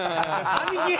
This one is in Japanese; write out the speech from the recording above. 兄貴！